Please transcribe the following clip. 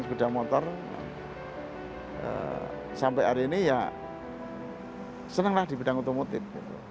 sepeda motor sampai hari ini ya senanglah di bidang otomotif